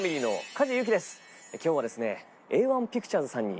今日はですね。